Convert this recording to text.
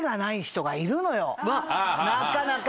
なかなか。